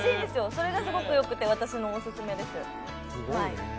それがすごく良くて私のオススメです。